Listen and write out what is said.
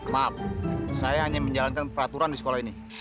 maaf saya hanya menjalankan peraturan di sekolah ini